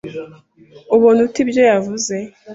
Ubona ute ibyo yavuze?